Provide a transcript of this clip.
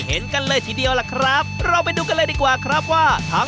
เปล่าเสร็จแล้วก็ตัดขาตัดฟีก